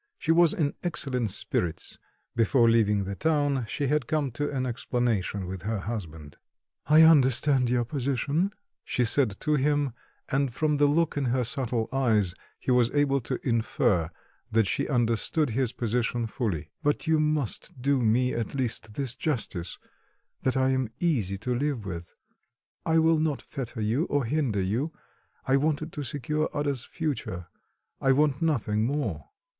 She was in excellent spirits; before leaving town, she had come to an explanation with her husband. "I understand your position," she said to him, and from the look in her subtle eyes, he was able to infer that she understood his position fully, "but you must do me, at least, this justice, that I am easy to live with; I will not fetter you or hinder you; I wanted to secure Ada's future, I want nothing more."